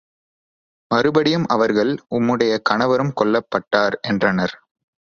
மறுபடியும் அவர்கள், உம்முடைய கணவரும் கொல்லப்பட்டார் என்றனர்.